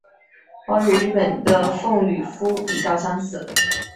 褓与日本的风吕敷比较相似。